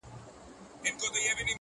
که يې منې زيارت ته راسه زما واده دی گلي’